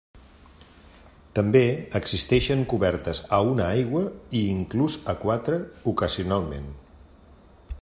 També existixen cobertes a una aigua i inclús a quatre, ocasionalment.